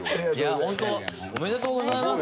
ホントおめでとうございます。